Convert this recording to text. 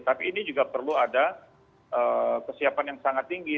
tapi ini juga perlu ada kesiapan yang sangat tinggi